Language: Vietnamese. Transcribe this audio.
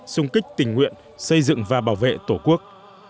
xung kích tình nguyện xây dựng và bảo vệ tổ quốc